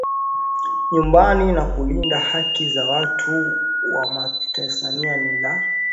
nyumbani na kulinda haki za watu wa Meskhetian ni la